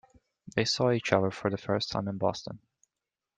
They saw each other for the first time in Boston.